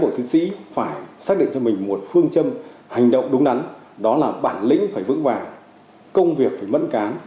thí sĩ phải xác định cho mình một phương châm hành động đúng đắn đó là bản lĩnh phải vững vàng công việc phải mẫn cán